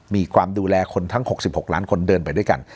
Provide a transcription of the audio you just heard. มีความดูแลคนทั้ง๖๖ล้านคนเดินไปด้วยกัน